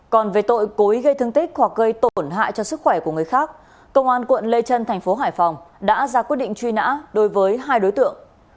còn về tội cối gây thương tích hoặc gây tổn hại cho sức khỏe của người khác công an quận lê trân thành phố hải phòng đã ra quyết định truy nã đối với hai đối tượng